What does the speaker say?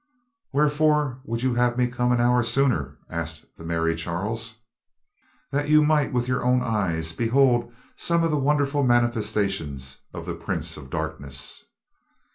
"Wherefore would you have had me come an hour sooner?" asked the merry Charles. "That you might, with your own eyes, behold some of the wonderful manifestations of the prince of darkness."